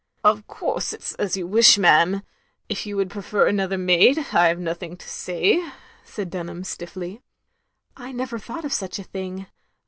" Of course it 's as you wish, ma'am. If you would prefer another maid, I *ve nothing to say, " said Dtinham, stiffly. "I never thought of such a thing.